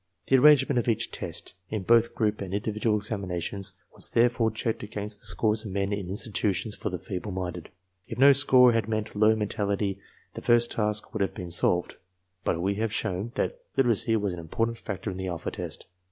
The arrangement of each test, in both group and individual examinations, was therefore checked against the scores of men in institutions for the feeble minded. If no score had meant low mentality the first task would have been solved; but we have shown that literacy was an important factor in the alpha test.